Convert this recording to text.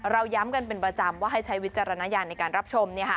ย้ำกันเป็นประจำว่าให้ใช้วิจารณญาณในการรับชม